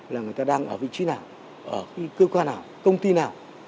là người ta đang ở vị trí nào ở cơ quan nào công ty nào